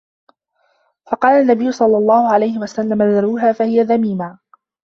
فَقَالَ النَّبِيُّ صَلَّى اللَّهُ عَلَيْهِ وَسَلَّمَ ذَرُوهَا فَهِيَ ذَمِيمَةٌ